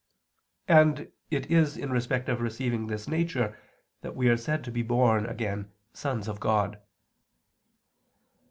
And it is in respect of receiving this nature that we are said to be born again sons of God.